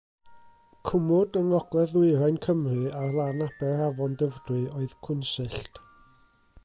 Cwmwd yng ngogledd-ddwyrain Cymru ar lan aber afon Dyfrdwy oedd Cwnsyllt.